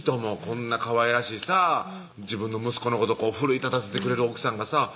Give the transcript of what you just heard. こんなかわいらしいさ自分の息子のこと奮い立たせてくれる奥さんがさ